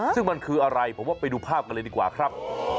ซึ่งมันคืออะไรผมว่าไปดูภาพกันเลยดีกว่าครับ